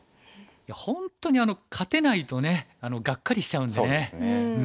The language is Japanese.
本当に勝てないとねがっかりしちゃうんでね。